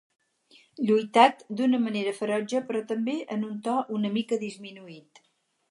Lluitat d'una manera ferotge, però també en un to una mica disminuït.